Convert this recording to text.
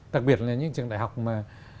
tặc biệt là những trường đại học mà